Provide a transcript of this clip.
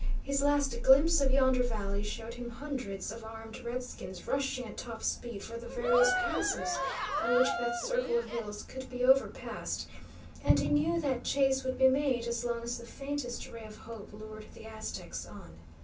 His last glimpse of yonder valley showed him hundreds of armed redskins rushing at top speed for the various passes by which that circle of hills could be over passed, and he knew that chase would be made as long as the faintest ray of hope lured the Aztecs on.